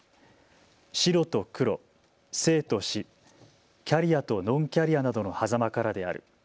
白と黒、生と死、キャリアとノンキャリアなどのはざまからである。